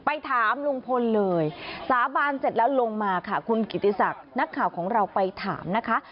ไปถามลุงพลเลยสาบานเสร็จแล้วลงมาค่ะคุณกิติศักดิ์นักข่าวของเราไปถามนะคะ